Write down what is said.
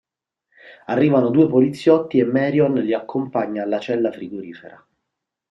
Arrivano due poliziotti e Marion li accompagna alla cella frigorifera.